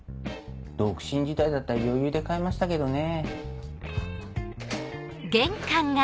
独身時代だったら余裕で買えましたけどね。